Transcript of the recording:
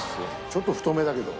ちょっと太めだけど。